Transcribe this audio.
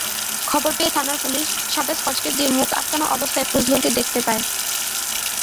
খবর পেয়ে থানার পুলিশ সাদা স্কচটেপ দিয়ে মুখ আটকানো অবস্থায় ফজলুরকে দেখতে পায়।